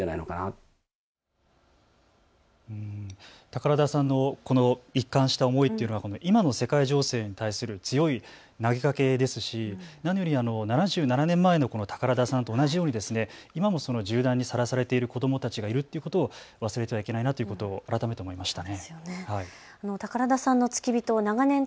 宝田さんのこの一貫した思いというのは今の世界情勢に対する強い投げかけですし何より７７年前のこの宝田さんと同じように今も銃弾にさらされている子どもたちがいるということを忘れてはいけないなということを改めて思いました。